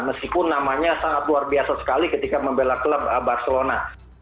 meskipun namanya sangat luar biasa sekali ketika membela klub barcelona